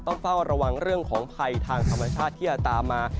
ต้องเฝ้าระวังเรื่องของภัยทางธรรมชาติที่จะตามมา